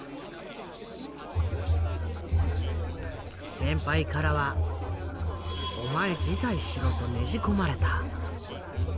先輩からは「お前辞退しろ」とねじ込まれた。